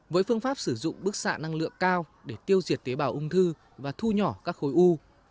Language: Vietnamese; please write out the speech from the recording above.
với phương pháp sử dụng bức xạ năng lượng cao để tiêu diệt tế bào ung thư và thu nhỏ các khối u